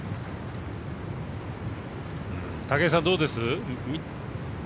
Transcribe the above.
武井さん、どうです？